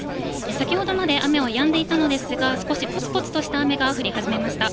先ほどまで雨はやんでいたのですが、少しぽつぽつとした雨が降り始めました。